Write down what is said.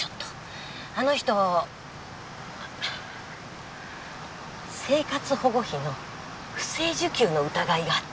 あの人生活保護費の不正受給の疑いがあって。